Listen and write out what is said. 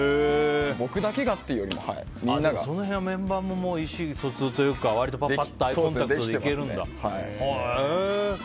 僕だけがっていうよりもその辺もメンバーの意思疎通というか割とアイコンタクトでいけるんだ。